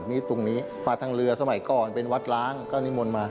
นี่ตรงนี้มาทางเรือสมัยก่อนเป็นวัดล้างก็นิมนต์มา